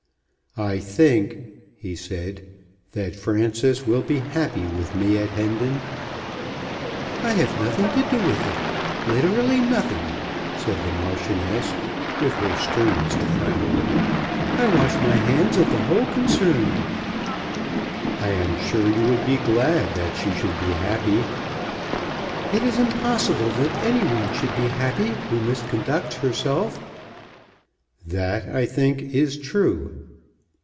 "I think," he said, "that Frances will be happy with me at Hendon." "I have nothing to do with it, literally nothing," said the Marchioness, with her sternest frown. "I wash my hands of the whole concern." "I am sure you would be glad that she should be happy." "It is impossible that any one should be happy who misconducts herself." "That, I think, is true."